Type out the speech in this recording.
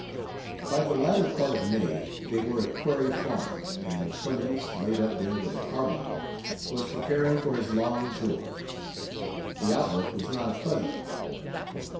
By the latter part of May they were at Quarry Farm, and Clemens, laid up there with a carbuncle, was preparing for his long tour. The outlook was not a pleasant one.